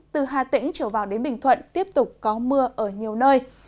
từ hà tĩnh trở vào đến bình thuận tiếp tục có mưa ở nhiều nơi